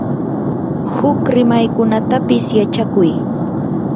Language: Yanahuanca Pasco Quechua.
huk rimaykunatapis yachakuy.